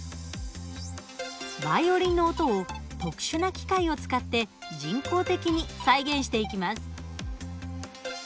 バイオリンの音を特殊な機械を使って人工的に再現していきます。